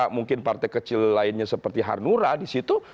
mungkin partai kecil lainnya seperti hanura di situ